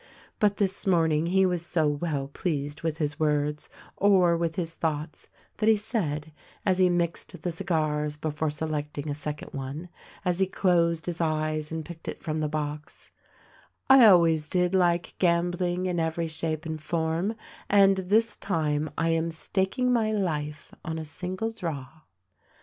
But this morning he was so well pleased with his words, or with his thoughts, that he said — as he mixed the cigars before selecting a second one — as he closed his eyes and picked it from the box, "I always did like gambling in every shape and form — and this time I am staking my life on a single draw."